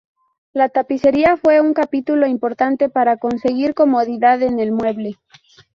La tapicería fue un capítulo importante para conseguir comodidad en el mueble.